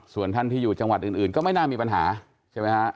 ส่วนท่านที่อยู่จังหวัดอื่นก็ไม่น่ามีปัญหาใช่ไหมฮะ